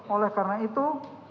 oleh karena itu